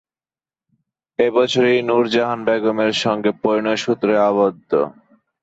এ বছরই নূরজাহান বেগমের সঙ্গে পরিণয়সূত্রে আবদ্ধ।